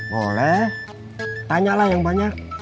boleh tanyalah yang banyak